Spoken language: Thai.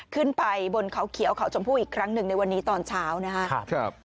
ขึ้นไปบนเขาเขียวเขาชมพู่อีกครั้งหนึ่งในวันนี้ตอนเช้านะครับ